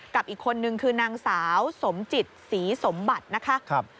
กับอีกคนนึงคือนางสาวสมจิตศรีสมบัตินะคะ